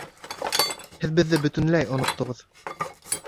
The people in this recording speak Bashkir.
Һеҙ беҙҙе бөтөнләй оноттоғоҙ